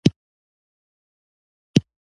غریب ته ښه عمل برکت دی